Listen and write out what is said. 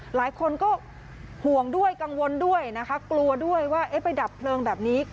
หลายคนก็ห่วงด้วยกังวลด้วยนะคะกลัวด้วยว่าไปดับเพลิงแบบนี้